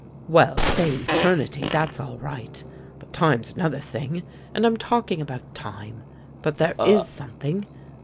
"Well, say eternity; that's all right; but time's another thing; and I'm talking about time. But there is something!